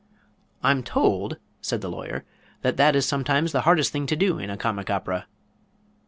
"I'm told," said the Lawyer, "that that is sometimes the hardest thing to do in a comic opera."